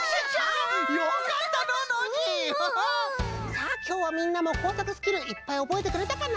さあきょうはみんなもこうさくスキルいっぱいおぼえてくれたかな？